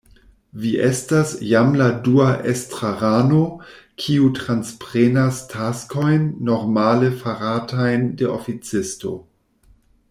Vi estas jam la dua estrarano, kiu transprenas taskojn normale faratajn de oficisto.